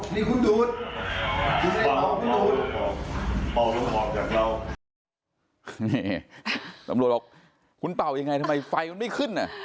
นี่ตำรวจบอกคุณเป่ายังไงทำไมไฟมันไม่ขึ้นน่ะ